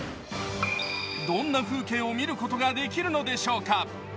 どんな風景を見ることができるのでしょうか。